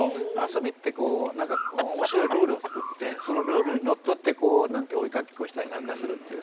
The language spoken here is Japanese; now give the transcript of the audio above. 遊びって面白いルールを作ってそのルールにのっとってこう追いかけっこしたり何かするっていう。